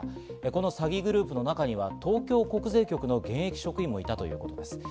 この詐欺グループの中には東京国税局の現役職員もいたということです。